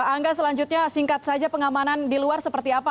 angga selanjutnya singkat saja pengamanan di luar seperti apa